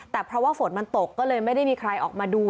แต่เพราะว่าฝนมันตกก็เลยไม่ได้มีใครออกมาดู